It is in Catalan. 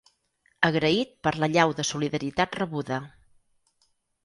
Agraït per l’allau de solidaritat rebuda.